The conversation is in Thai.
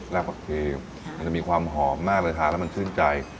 แล้วผักเค้กมันจะมีความหอมมากเลยทานแล้วมันชื่นใจ